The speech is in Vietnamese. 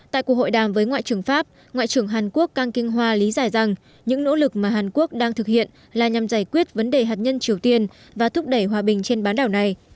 tại cuộc hội đàm với ngoại trưởng pháp ngoại trưởng hàn quốc kang kinh hoa lý giải rằng những nỗ lực mà hàn quốc đang thực hiện là nhằm giải quyết vấn đề hạt nhân triều tiên và thúc đẩy hòa bình trên bán đảo này